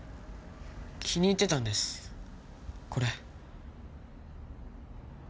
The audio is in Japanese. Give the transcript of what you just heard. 気に入ってたんですこれ。